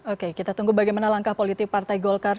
oke kita tunggu bagaimana langkah politik partai golkar